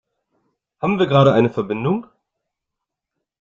Haben wir gerade eine Verbindung?